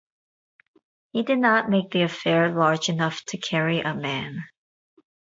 He did not make the affair large enough to carry a man.